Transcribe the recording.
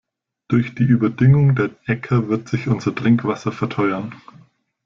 Durch die Überdüngung der Äcker wird sich unser Trinkwasser verteuern.